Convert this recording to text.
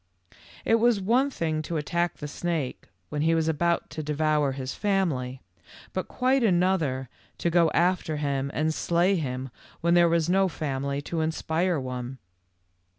It was one thing to attack the snake when he was about to devour his family, but quite another to go after him and slay him when there was no family to inspire one.